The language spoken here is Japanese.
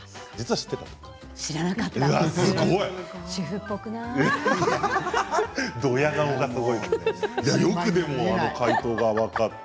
知らなかった。